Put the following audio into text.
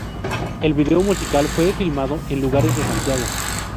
El video musical fue filmado en lugares de Santiago.